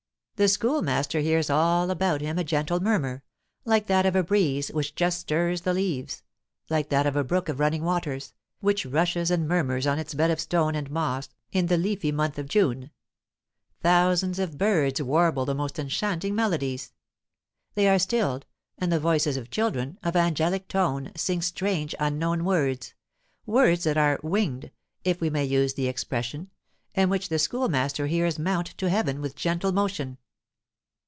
The Schoolmaster hears all about him a gentle murmur, like that of the breeze which just stirs the leaves like that of a brook of running waters, which rushes and murmurs on its bed of stone and moss "in the leafy month of June." Thousands of birds warble the most enchanting melodies. They are stilled, and the voices of children, of angelic tone, sing strange, unknown words words that are "winged" (if we may use the expression), and which the Schoolmaster hears mount to heaven with gentle motion.